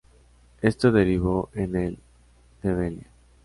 Esto derivó en el Ndebele.